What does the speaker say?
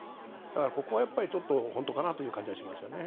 だからここはちょっと本当かなという感じはしますよね。